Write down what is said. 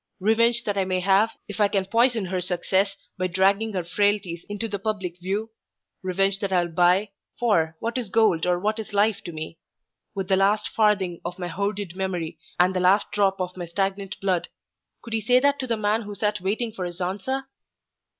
Revenge that I may have, if I can poison her success by dragging her frailties into the public view. Revenge that I will buy (for what is gold or what is life to me?) with the last farthing of my hoarded money and the last drop of my stagnant blood. Could he say that to the man who sat waiting for his answer?